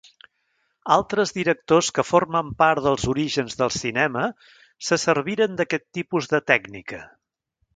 Altres directors que formen part dels orígens del cinema se serviren d'aquest tipus de tècnica.